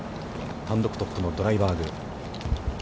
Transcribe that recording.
単独トップのドライバーグ。